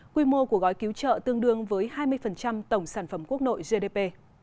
quy mô của gói cứu trợ tương đương với hai mươi tổng sản phẩm quốc nội gdp